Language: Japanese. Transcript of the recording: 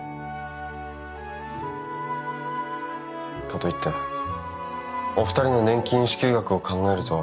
かといってお二人の年金支給額を考えると。